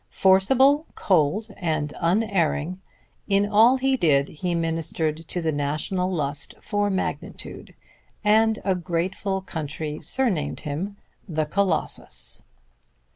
Forcible, cold and unerring, in all he did he ministered to the national lust for magnitude; and a grateful country surnamed him the Colossus.